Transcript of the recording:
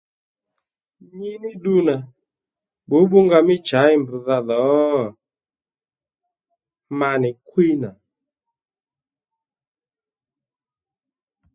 Nyí ní ddu nà bbǔbbúnga mí shǎyi mbdha dhǒ? Ma nì kwíy nà,